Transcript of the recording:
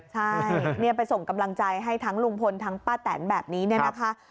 ใช่ไปส่งกำลังใจให้ทั้งลุงพลทั้งป้าแตนแบบนี้เนี่ยนะคะ